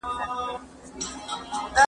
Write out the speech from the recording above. نن مي د عمر فیصله ده سبا نه راځمه